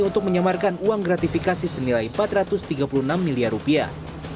untuk menyamarkan uang gratifikasi senilai empat ratus tiga puluh enam miliar rupiah